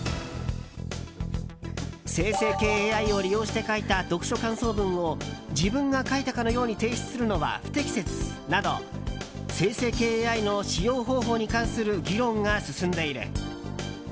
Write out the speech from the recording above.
生成系ＡＩを利用して書いた読書感想文を自分が書いたかのように提出するのは不適切など生成系ＡＩの使用方法に関する議論が進んでいる。